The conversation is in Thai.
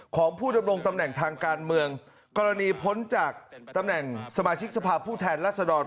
ของผู้ดำรงตำแหน่งทางการเมืองกรณีพ้นจากตำแหน่งสมาชิกสภาพผู้แทนรัศดร